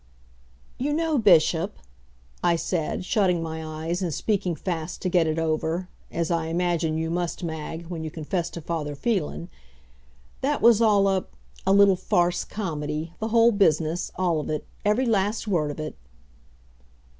"You know, Bishop," I said, shutting my eyes and speaking fast to get it over as I imagine you must, Mag, when you confess to Father Phelan "that was all a a little farce comedy the whole business all of it every last word of it!"